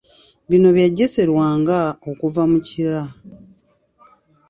Bino Bya Jesse Lwanga okuva mu Kira.